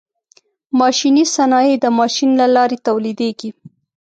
ماشیني صنایع د ماشین له لارې تولیدیږي.